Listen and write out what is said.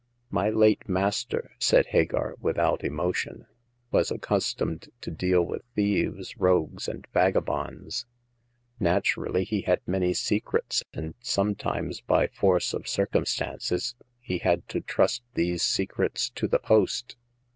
" My late master," said Hagar, without emotion, " was accustomed to deal with thieves, rogues, and vagabonds. Naturally, he had many secrets, and sometimes, by force of circumstances, he 48 Hagar of the Pawn Shop. had to trust these secrets to the post.